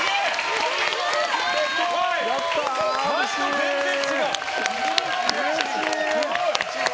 前と全然違う。